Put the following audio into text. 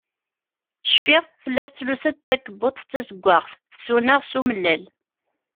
Cfiɣ, tella tettlus-d takebbuḍt d tazeggaɣt, tsuneɣ s umellal.